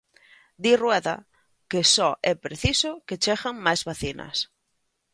Di Rueda que só é preciso que cheguen máis vacinas.